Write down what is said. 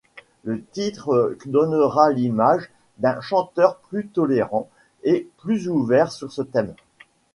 Le titre donnera l'image d'un chanteur plus tolérant et plus ouvert sur ce thème.